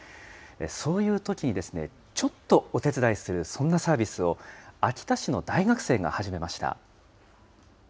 そういうときに、ちょっとお手伝いする、そんなサービスを、秋田市の大学生が始めました。